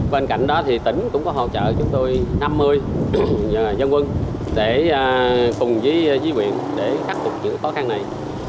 bên cạnh đó thì tỉnh cũng có hỗ trợ chúng tôi năm mươi dân quân để cùng với quyền để khắc phục những khó khăn này